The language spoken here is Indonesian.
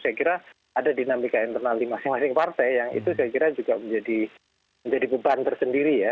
saya kira ada dinamika internal di masing masing partai yang itu saya kira juga menjadi beban tersendiri ya